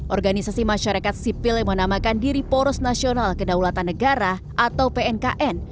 organisasi masyarakat sipil yang menamakan diri poros nasional kedaulatan negara atau pnkn